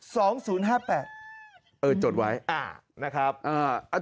สองศูนย์ห้าแปดเออจดไว้อ่านะครับอ่า